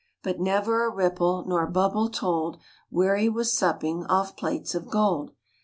But never a ripple Nor bubble told Where he was supping Off plates of gold.